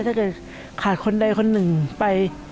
ถ้าเกิดขาดคนใดคนหนึ่งไป